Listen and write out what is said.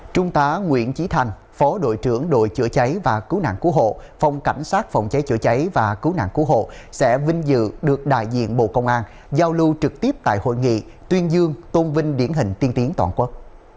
trung tá nguyễn trí thành phó đội trưởng đội chữa cháy và cứu nạn cứu hộ phòng cảnh sát phòng cháy chữa cháy và cứu nạn cứu hộ sẽ vinh dự được đại diện bộ công an giao lưu trực tiếp tại hội nghị tuyên dương tôn vinh điển hình tiên tiến toàn quốc